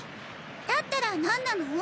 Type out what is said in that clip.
だったら何なの？